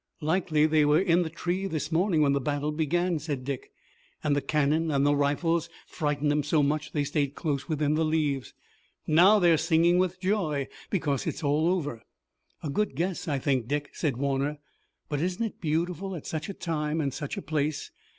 "Likely they were in the tree this morning when the battle began," said Dick, "and the cannon and the rifles frightened 'em so much that they stayed close within the leaves. Now they're singing with joy, because it's all over." "A good guess, I think, Dick," said Warner, "but isn't it beautiful at such a time and such a place?